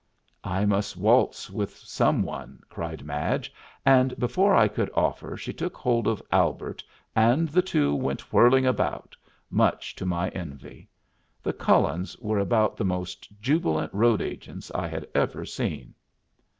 "I must waltz with some one," cried Madge, and before I could offer she took hold of Albert and the two went whirling about, much to my envy. The Cullens were about the most jubilant road agents I had ever seen.